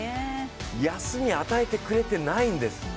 休み与えてくれてないんです。